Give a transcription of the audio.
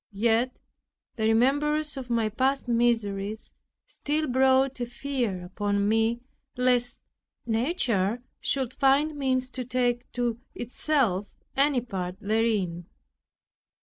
Yet the remembrance of my past miseries still brought a fear upon me, lest nature should find means to take to itself any part therein.